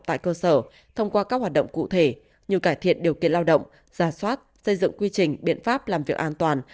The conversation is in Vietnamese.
tại cơ sở thông qua các hoạt động cụ thể như cải thiện điều kiện lao động giả soát xây dựng quy trình biện pháp làm việc an toàn